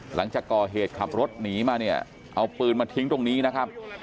หลังจากก่อเหตุขับรถหนีมาเนี่ยเอาปืนมาทิ้งตรงนี้นะครับ